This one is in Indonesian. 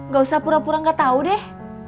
gak usah pura pura gak tau deh